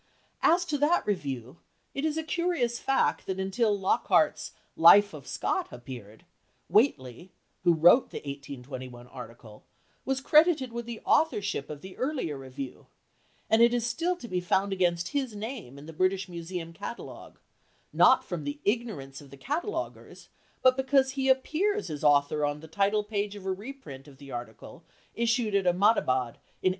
As to that review, it is a curious fact that until Lockhart's "Life of Scott" appeared, Whately, who wrote the 1821 article, was credited with the authorship of the earlier review, and it is still to be found against his name in the British Museum catalogue, not from the ignorance of the cataloguers, but because he appears as author on the title page of a reprint of the article issued at Ahmedabad in 1889.